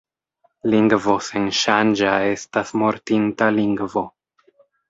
Lingvo senŝanĝa estas mortinta lingvo.